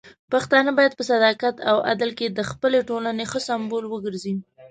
پښتانه بايد په صداقت او عدل کې د خپلې ټولنې ښه سمبول وګرځي.